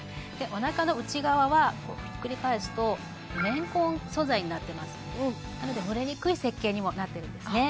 おなかの内側はひっくり返すと綿混素材になってますなので蒸れにくい設計にもなってるんですね